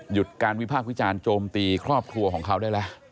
หยุดการวิพากษ์วิจารณ์โจมตีครอบครัวของเขาได้แล้ว